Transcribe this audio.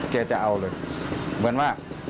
จะเอาเลยเหมือนว่า